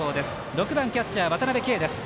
６番キャッチャー、渡辺憩です。